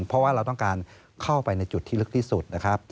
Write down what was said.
เพราะว่าเราต้องการเข้าไปในจุดที่ลึกที่สุดนะครับ